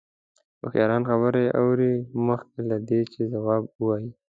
هوښیاران خبرې اوري مخکې له دې چې ځواب ووايي.